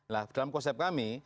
lah dalam konsep kami